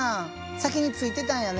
先に着いてたんやね。